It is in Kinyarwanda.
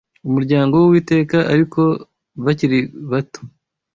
umuryango w’Uwiteka ariko bakiri bato